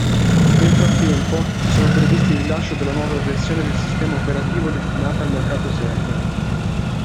Nel frattempo, sono previsti il rilascio della nuova versione del sistema operativo destinata al mercato server.